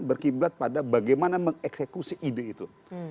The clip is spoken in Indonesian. berkiblat pada bagaimana mengeksekusi ide itu